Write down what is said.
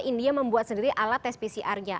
india membuat sendiri alat tes pcr nya